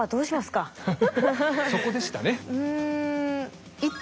そこでしたね。